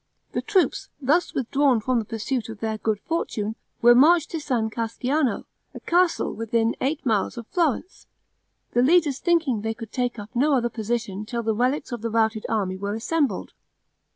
The troops, thus withdrawn from the pursuit of their good fortune, were marched to San Casciano, a castle within eight miles of Florence; the leaders thinking they could take up no other position till the relics of the routed army were assembled.